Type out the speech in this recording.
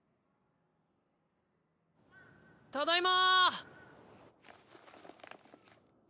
ただいま。